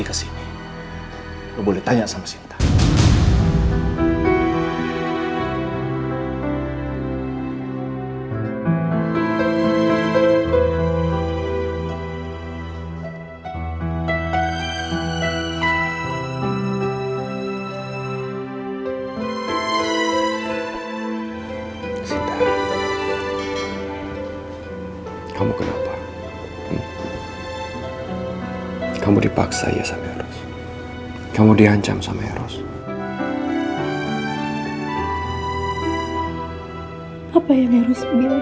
kamu gak boleh nangis ya